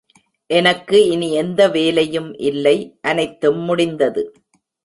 எனக்கு இனி எந்த வேலையும் இல்லை, அனைத்தும் முடிந்தது.